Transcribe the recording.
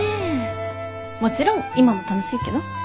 もちろん今も楽しいけど。